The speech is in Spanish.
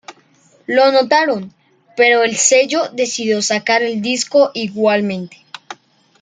Lo notaron, pero el sello decidió sacar el disco igualmente.